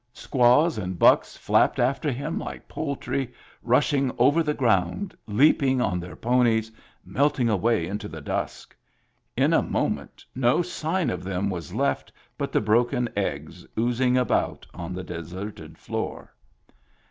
Squaws and bucks flapped after him like poultry, rushing over the ground, leaping on their ponies, melting away into the dusk. In a moment no sign of them was left but the broken eggs, oozing about on the deserted floor.